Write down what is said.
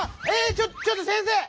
ちょちょっと先生！